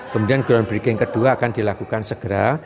kemudian groundbreaking kedua akan dilakukan segera